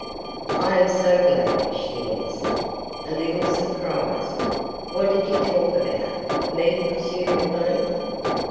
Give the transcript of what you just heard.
"I am so glad," she answered, a little surprised. "What did you talk about? Me, presumably."